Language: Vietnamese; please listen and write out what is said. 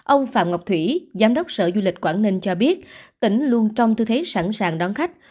ông phạm ngọc thủy giám đốc sở du lịch quảng ninh cho biết tỉnh luôn trong tư thế sẵn sàng đón khách